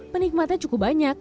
penikmatnya cukup banyak